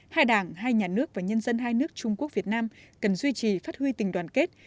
hai đảng hai nhà nước và nhân dân hai nước trung quốc việt nam cần duy trì phát huy tình đoàn kết